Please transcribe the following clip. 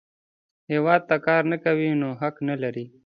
هیواد ته کار نه کوې، نو حق نه لرې